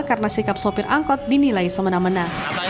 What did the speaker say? karena sikap sopir angkot dinilai semena mena